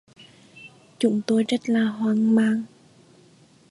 chúng tôi rất là hoang mang